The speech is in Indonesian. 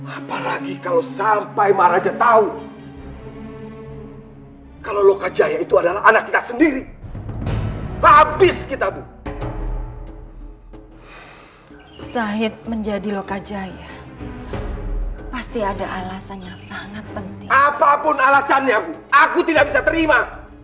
apapun alasannya aku tidak bisa terima